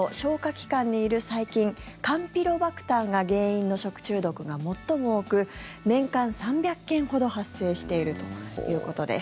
器官にいる細菌カンピロバクターが原因の食中毒が最も多く年間３００件ほど発生しているということです。